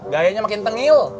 gayanya makin tengil